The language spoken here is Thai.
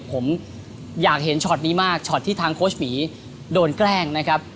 ผมอยากเห็นช็อตนี้มากช็อตที่ทางโค้ชหมีโดนแกล้งนะครับ